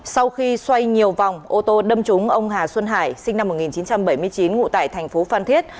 sau khi xoay nhiều vòng ô tô đâm trúng ông hà xuân hải sinh năm một nghìn chín trăm bảy mươi chín ngụ tại tp phan thiết